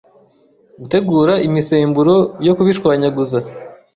gutegura imisemburo yo kubishwanyaguza